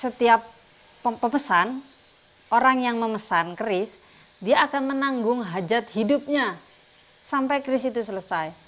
setiap pemesan orang yang memesan keris dia akan menanggung hajat hidupnya sampai keris itu selesai